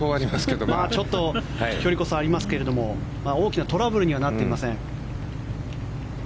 距離こそありますが大きなトラブルにはなっていません。